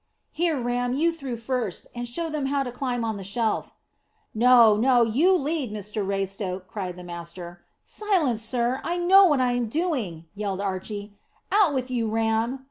"Here, Ram, you through first, and show them how to climb on the shelf." "No, no, you lead, Mr Raystoke," cried the master. "Silence, sir! I know what I'm doing," yelled Archy. "Out with you, Ram."